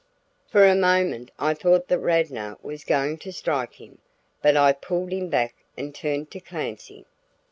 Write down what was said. For a moment I thought that Radnor was going to strike him, but I pulled him back and turned to Clancy.